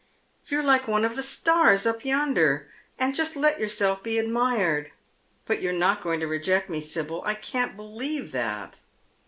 You're like one of the stars up yonder, and just let yourself be admired. But you're not going to reject me, Sibyl, I can't believe that."